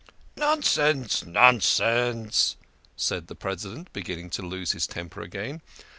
" Nonsense ! Nonsense !" said the President, begin ning to lose his temper again.